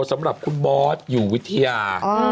สำหรับคุณบอสอยู่วิทยา